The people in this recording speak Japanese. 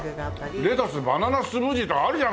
レタスバナナスムージーとかあるじゃないのよ。